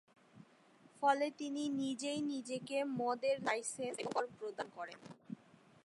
ফলে তিনি নিজেই নিজেকে মদের লাইসেন্স এবং কর প্রদান করেন।